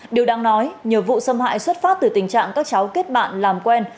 điều đang nói nhiều vụ xâm hại xuất phát từ tình trạng các cháu kết bạn làm quen